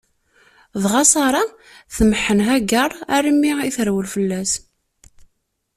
Dɣa Ṣara tmeḥḥen Hagaṛ armi i terwel fell-as.